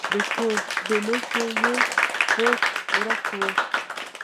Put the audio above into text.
د کور د لوښو یو پوښ ورک و.